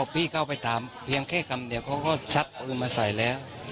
พี่เข้าไปถามเพียงแค่คำเดียวเขาก็ซักปืนมาใส่แล้ว